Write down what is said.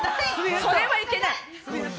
それはいけない